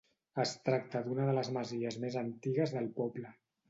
Es tracta d'una de les masies més antigues del poble.